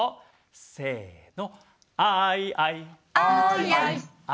せの！